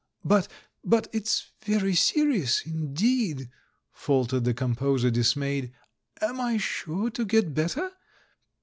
"But — but it's very serious indeed," faltered the composer, dismayed. "Am I sure to get bet ter?